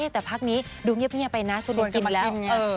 แต่พักนี้ดูเงียบไปนะชุดดูกินแล้ว